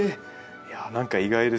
いやあ何か意外ですね。